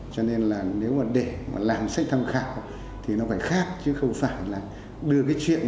cho nên là nếu mà để mà làm sách tham khảo thì nó phải khác chứ không phải là đưa cái chuyện